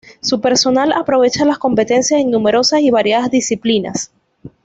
Su personal aprovecha las competencias en numerosas y variadas disciplinas.